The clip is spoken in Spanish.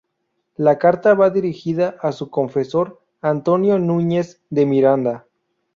La carta va dirigida a su confesor Antonio Núñez de Miranda.